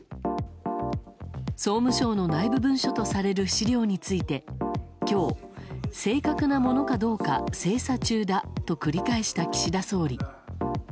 総務省の内部文書とされる資料について今日、正確なものかどうか精査中だと繰り返した岸田総理。